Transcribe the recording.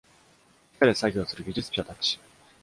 地下で作業する技術者たち。